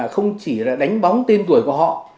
không chỉ là đánh bóng tên tuổi của họ